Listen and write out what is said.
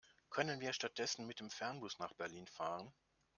Können wir stattdessen mit dem Fernbus nach Berlin fahren?